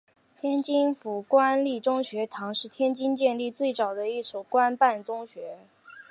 天津府官立中学堂是天津建立最早的一所官办中学。